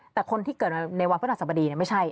แต่คนที่เกิดมาในวันพระนักศัพท์บดีเนี่ยไม่ใช่